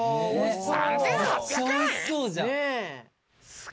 ３，８００円！？